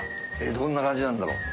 どんな感じなんだろ？